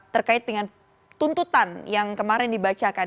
terkait dengan tuntutan yang kemarin dibacakan